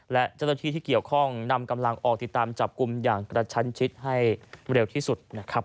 และเจ้าหน้าที่ที่เกี่ยวข้องนำกำลังออกติดตามจับกลุ่มอย่างกระชั้นชิดให้เร็วที่สุดนะครับ